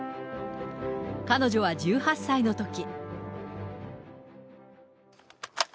彼女は１８歳のとき。